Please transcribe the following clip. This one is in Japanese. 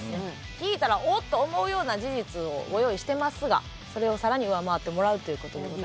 聞いたらおっ！と思うような事実をご用意してますがそれを更に上回ってもらうという事でございますね。